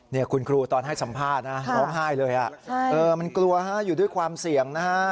นี่คุณครูตอนให้สัมภาษณ์นะร้องไห้เลยมันกลัวฮะอยู่ด้วยความเสี่ยงนะฮะ